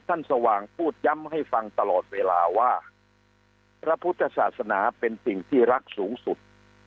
สว่างพูดย้ำให้ฟังตลอดเวลาว่าพระพุทธศาสนาเป็นสิ่งที่รักสูงสุด